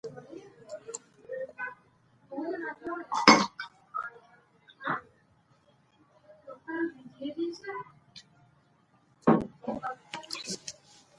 افغانستان د یاقوت له مخې پېژندل کېږي.